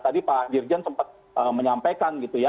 tadi pak dirjen sempat menyampaikan gitu ya